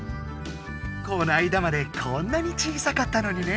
こないだまでこんなに小さかったのにね。